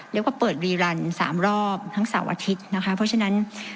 เรียกว่าเปิดรีรันสามรอบทั้งเสาร์อาทิตย์นะคะเพราะฉะนั้น